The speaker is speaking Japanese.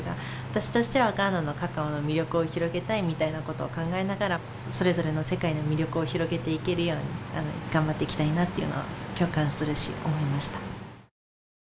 私としてはガーナのカカオの魅力を広げたいみたいなことを考えながらそれぞれの世界の魅力を広げていけるように頑張っていきたいなっていうのを共感するし思いました。